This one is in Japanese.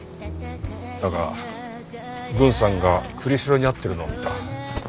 だが郡さんが栗城に会ってるのを見た。